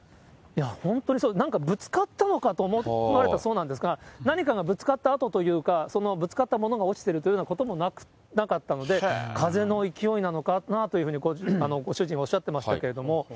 本当にそう、なんかぶつかったのかと思われたそうなんですが、何かがぶつかったあとというか、ぶつかったものが落ちているというようなこともなかったので、風の勢いなのかなというふうにご主人はおっしゃってましたけども。